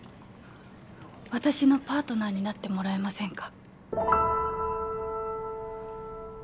私のパートナーになってもらえませんか？